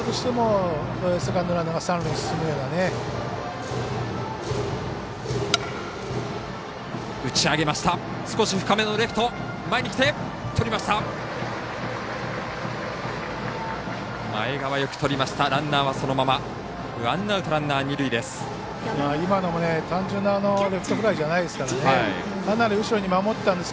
ワンアウト、ランナー、二塁です。